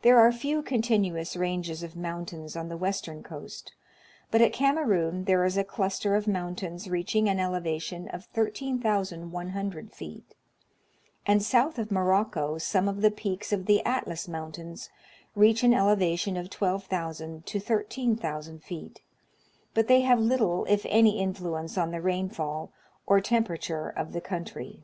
There are few continu ous ranges of mountains on the western coast; but at Kamerun there is a cluster of mountains reaching an elevation of 13,100 feet ; and south of Morocco some of the peaks of the Atlas Mountains reach an elevation of 12,000 to 13,000 feet, but they have little if any influence on the rainfall or temperature of the country.